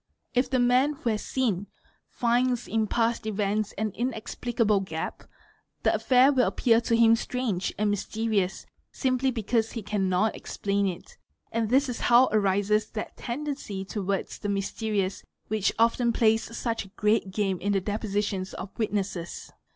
If the man who has seen, finds in past events an inexplicable gap, the affair will appear to him strange and mysterious simply because _ he cannot explain it; and this is how arises that tendency towards the mysterious which often plays such a great game in the depositions of ih witnesses.